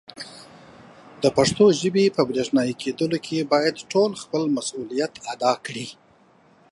د پښتو ژبې په برښنایې کېدلو کې باید ټول خپل مسولیت ادا کړي.